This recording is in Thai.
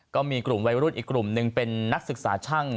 ก็มีกลุ่มวัยรุ่นอีกกลุ่มหนึ่งเป็นนักศึกษาช่าง